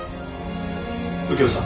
右京さん。